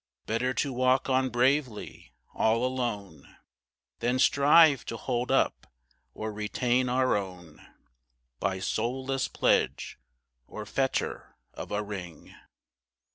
Better to walk on bravely all alone, Than strive to hold up, or retain our own, By soulless pledge, or fetter of a ring.